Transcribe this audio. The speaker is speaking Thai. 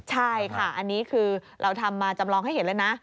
ใช่ค่ะอันนี้คือเราทำมาจำลองให้เห็นแล้วนะ